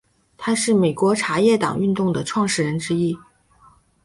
他是美国茶叶党运动的创始人之一。